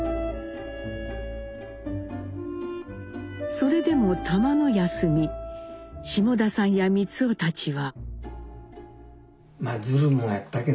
それでもたまの休み下田さんや光男たちは。